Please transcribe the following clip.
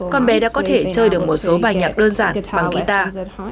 con bé đã có thể chơi được một số bài nhạc đơn giản bằng kítar